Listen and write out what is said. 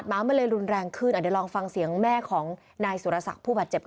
ที่สุภาพที่เป็นที่เฉย